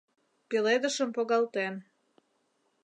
Пеледышым погалтен